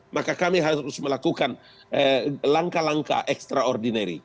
maka kami harus melakukan langkah langkah ekstraordinary